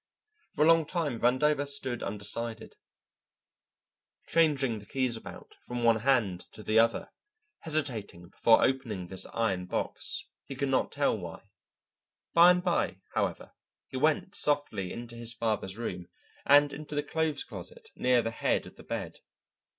For a long time Vandover stood undecided, changing the keys about from one hand to the other, hesitating before opening this iron box; he could not tell why. By and by, however, he went softly into his father's room, and into the clothes closet near the head of the bed.